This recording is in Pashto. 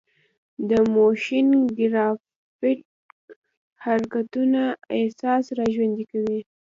د موشن ګرافیک حرکتونه احساس راژوندي کوي.